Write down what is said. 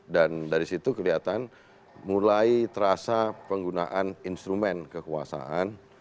dan dari situ kelihatan mulai terasa penggunaan instrumen kekuasaan